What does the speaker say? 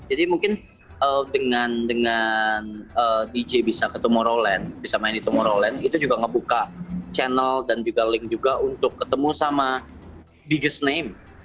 jadi mungkin dengan dj bisa ke tomorrowland bisa main di tomorrowland itu juga ngebuka channel dan juga link juga untuk ketemu sama biggest name